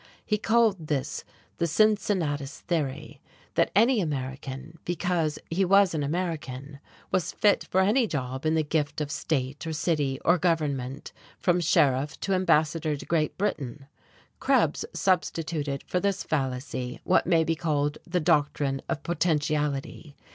He called this the Cincinnatus theory: that any American, because he was an American, was fit for any job in the gift of state or city or government, from sheriff to Ambassador to Great Britain. Krebs substituted for this fallacy what may be called the doctrine of potentiality.